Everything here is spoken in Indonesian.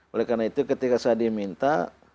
oleh karena itu ketika saya diminta